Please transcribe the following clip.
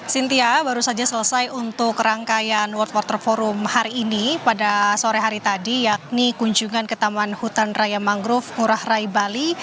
cynthia baru saja selesai untuk rangkaian world water forum hari ini pada sore hari tadi yakni kunjungan ke taman hutan raya mangrove ngurah rai bali